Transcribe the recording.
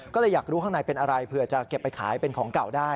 ก็เลยอยากรู้ข้างในเป็นอะไรเผื่อจะเก็บไปขายเป็นของเก่าได้